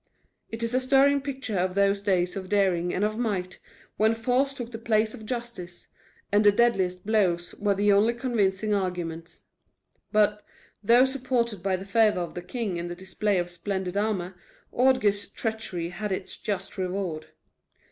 It is a stirring picture of those days of daring and of might, when force took the place of justice, and the deadliest blows were the only convincing arguments. But, though supported by the favor of the king and the display of splendid armor, Ordgar's treachery had its just reward.